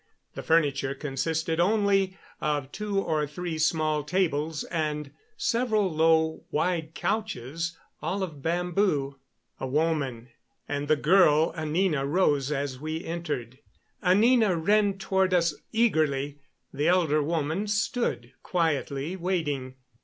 The furniture consisted only of two or three small tables and several low, wide couches, all of bamboo. A woman and the girl Anina rose as we entered. Anina ran toward us eagerly; the elder woman stood, quietly waiting.